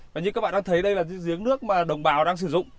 và như các bạn đang thấy đây là giếng nước mà đồng bào đang sử dụng